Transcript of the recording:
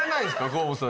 河本さん。